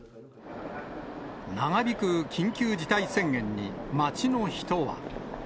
長引く緊急事態宣言に、街の人は。